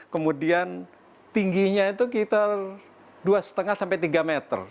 kemudian tingginya itu sekitar dua lima sampai tiga meter